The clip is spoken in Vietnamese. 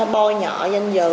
bôi nhỏ danh dự